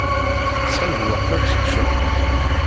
Tesɛiḍ lweqt ad teččeḍ?